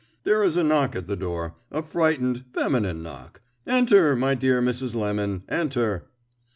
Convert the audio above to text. "There is a knock at the door a frightened, feminine knock. Enter, my dear Mrs. Lemon, enter."